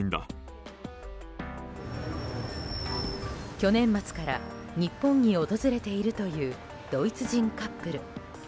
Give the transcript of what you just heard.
去年末から日本に訪れているというドイツ人カップル。